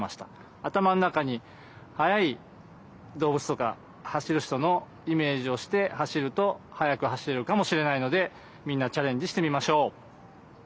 頭の中に速い動物とか走る人のイメージをして走ると速く走れるかもしれないのでみんなチャレンジしてみましょう。